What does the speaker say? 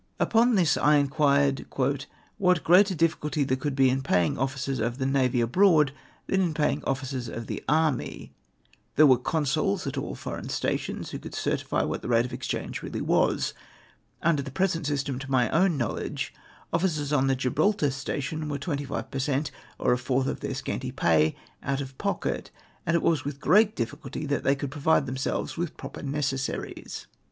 Upon this I inquh ed " what greater difficulty there could be in papng officers of the navy abroad than in paying officers of the army ? There were consuls at all the foreign stations, who could certify what the rate of exchange really was. Under the present system, to my own knowledge, officers on the Gibraltar station were 25 per cent, or a fourth of their scanty pay, out of pocket, and it was with great difficidty that they could pro\T.de themselves Avith proper necessaries."